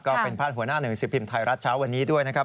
ก็เป็นพาดหัวหน้าหนึ่งสิบพิมพ์ไทยรัฐเช้าวันนี้ด้วยนะครับ